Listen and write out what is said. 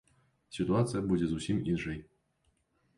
Сітуацыя будзе зусім іншай.